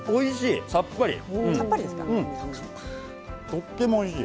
とってもおいしい！